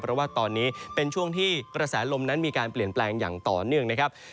เพราะว่าตอนนี้เป็นช่วงที่กระแสลมนั้นมีการเปลี่ยนแปลงอย่างต่อเนื่องนะครับ